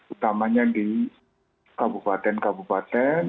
utamanya di kabupaten kabupaten